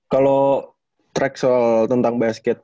kalau track soal tentang basket